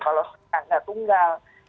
kalau kita nggak tunggal